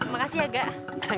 makasih ya gak